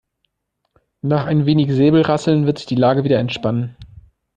Nach ein wenig Säbelrasseln wird sich die Lage wieder entspannen.